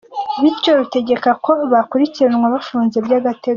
Bityo rutegeka ko bakurikiranwa bafunze by’agataganyo.